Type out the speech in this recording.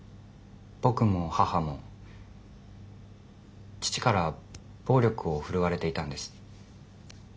僕も母も父から暴力を振るわれていたんです。